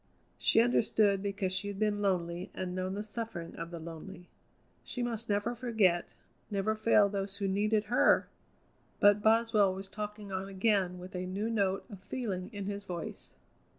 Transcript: She understood because she had been lonely and known the suffering of the lonely. She must never forget, never fail those who needed her! But Boswell was talking on again with a new note of feeling in his voice.